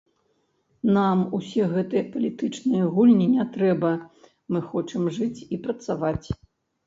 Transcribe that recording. Нам усе гэтыя палітычныя гульні не трэба, мы хочам жыць і працаваць.